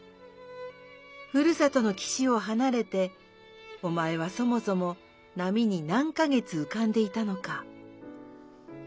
ふるさとの岸をはなれておまえはそもそも波になんか月うかんでいたのか。